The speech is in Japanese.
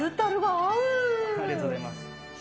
ありがとうございます。